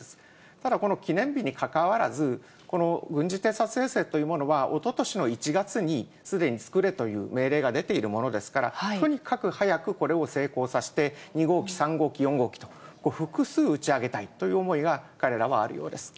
ただ、この記念日にかかわらず、この軍事偵察衛星というものは、おととしの１月にすでに作れという命令が出ているものですから、とにかく早くこれを成功させて、２号機、３号機、４号機と、複数打ち上げたいという思いが、彼らはあるようです。